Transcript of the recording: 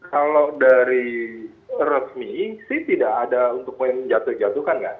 kalau dari resmi sih tidak ada untuk poin jatuhkan nggak